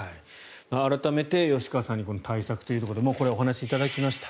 改めて吉川さんに対策というところでこれはお話しいただきました。